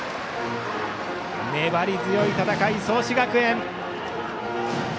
粘り強い戦い、創志学園。